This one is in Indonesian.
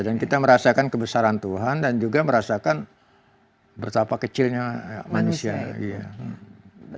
kita merasakan kebesaran tuhan dan juga merasakan betapa kecilnya manusia